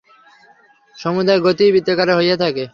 সমুদয় গতিই বৃত্তাকারে হইয়া থাকে।